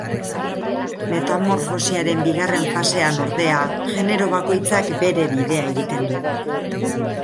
Metamorfosiaren bigarren fasean, ordea, genero bakoitzak bere bidea egiten du.